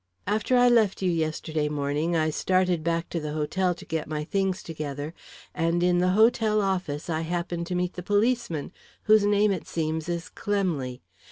After I left you, yesterday morning, I started back to the hotel to get my things together, and in the hotel office I happened to meet the policeman, whose name, it seems, is Clemley.